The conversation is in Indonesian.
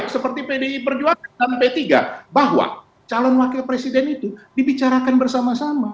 seperti pdi perjuangan dan p tiga bahwa calon wakil presiden itu dibicarakan bersama sama